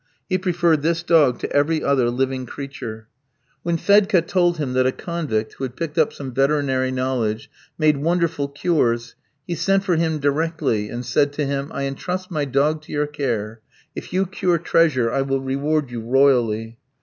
He preferred this dog to every other living creature. When Fedka told him that a convict, who had picked up some veterinary knowledge, made wonderful cures, he sent for him directly and said to him, "I entrust my dog to your care. If you cure 'Treasure' I will reward you royally."